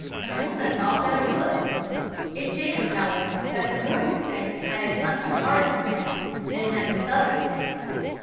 Hamilton thought that it would. It chanced, however, that the Northern states had much larger debts than had the Southern states.